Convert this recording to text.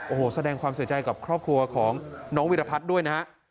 โอ้โหแสดงความเสียใจกับครอบครัวของน้องวิรพัฒน์ด้วยนะฮะ